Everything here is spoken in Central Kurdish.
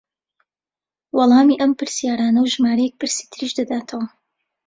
وەڵامی ئەم پرسیارانە و ژمارەیەک پرسی تریش دەداتەوە